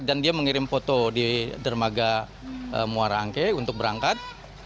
dan dia mengirim foto di dermaga muara angke untuk berangkat